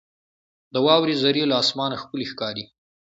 • د واورې ذرې له اسمانه ښکلي ښکاري.